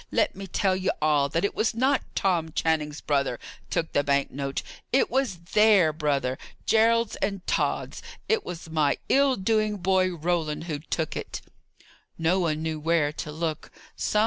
Let me tell ye all, that it was not Tom Channing's brother took the bank note; it was their brother Gerald's and Tod's! It was my ill doing boy, Roland, who took it." No one knew where to look.